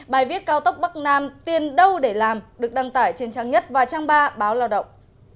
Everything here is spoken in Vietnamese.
bài viết cao tốc bắc nam tiền đâu để làm được đăng tải trên trang nhất và trang ba báo lao động